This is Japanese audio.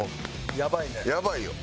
やばいよ。